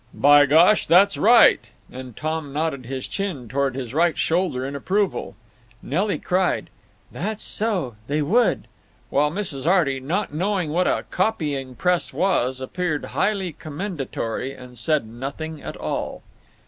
"By gosh, that's right!" and Tom nodded his chin toward his right shoulder in approval. Nelly cried, "That's so; they would"; while Mrs. Arty, not knowing what a copying press was, appeared highly commendatory, and said nothing at all.